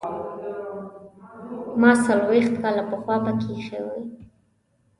ما څلوېښت کاله پخوا پکې ایښې وې.